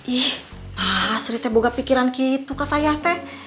ih nah seri teh bukan pikiran gitu ke saya teh